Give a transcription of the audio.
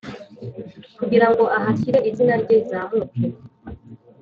Kugira ngo ahashyire izina rye rizamuke